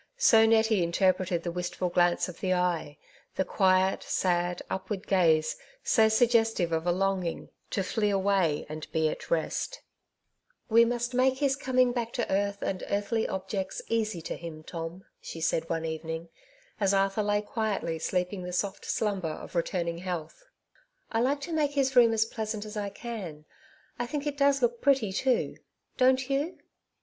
So Nettie interpreted the wistful glance of the eye — the quiet, sad, upward gaze so suggestive of a longing '' to flee away aad be at rest/' '^ We must make his coming back to earth and earthly objects easy to him, Tom," she said one evening, as Arthur lay quietly sleeping the soft slumber of returning health. ^^ I like to make his room as pleasant as I can. I think it does look pretty, too; don't you